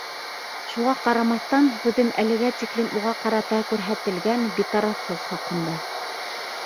Шуға ҡарамаҫтан, һүҙем әлегә тиклем уға ҡарата күрһәтелгән битарафлыҡ хаҡында.